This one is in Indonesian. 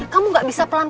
cuma buat kamu